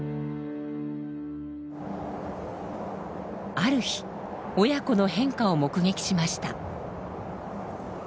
ある日親子の変化を目撃しました。